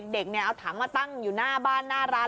เด็กเนี่ยเอาถังมาตั้งอยู่หน้าบ้านหน้าร้าน